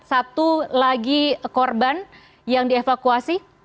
satu lagi korban yang dievakuasi